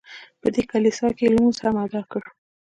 په دې کلیسا کې یې لمونځ هم ادا کړ.